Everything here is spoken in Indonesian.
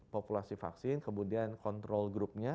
populasi vaksin kemudian control group nya